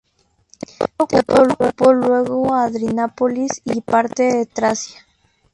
Teodoro ocupó luego Adrianópolis y parte de Tracia.